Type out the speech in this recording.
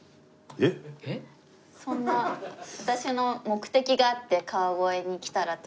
そんな私の目的があって川越に来たらといえば。